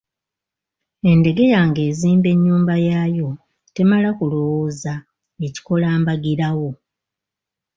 Endegeya ng'ezimba enyumba yayo temala kulowooza ekikola mbagirawo.